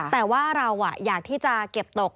แต่ว่าเราอยากที่จะเก็บตก